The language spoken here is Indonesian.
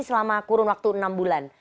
selama kurun waktu enam bulan